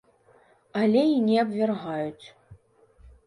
Але і не абвяргаюць.